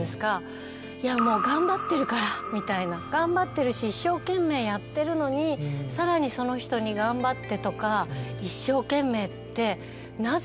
みたいな頑張ってるし一生懸命やってるのにさらにその人に頑張ってとか一生懸命って。